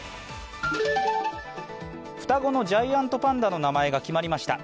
双子のジャイアントパンダの名前が決まりました。